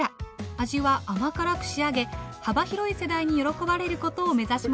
味は甘辛く仕上げ幅広い世代に喜ばれることを目指しました。